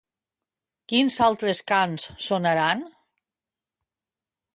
Quins altres cants sonaran?